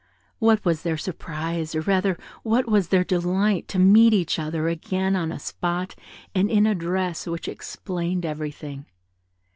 What was their surprise, or rather what was their delight, to meet with each other again on a spot and in a dress which explained everything!